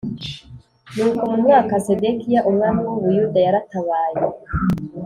Nuko mu mwaka Sedekiya umwami w u Buyuda yaratabaye